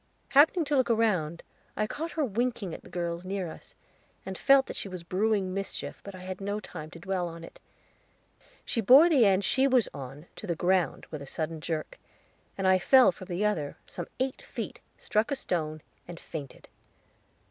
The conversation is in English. Happening to look round, I caught her winking at the girls near us, and felt that she was brewing mischief, but I had no time to dwell on it. She bore the end she was on to the ground with a sudden jerk, and I fell from the other, some eight feet, struck a stone, and fainted.